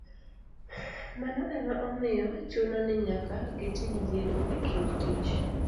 Mano ema omiyo chuno ni nyaka gitim yiero e kind tich